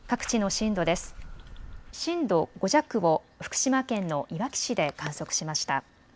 震度５弱を福島県のいわき市で観測しました。